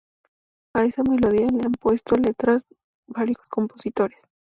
A esa melodía le han puesto letra varios compositores.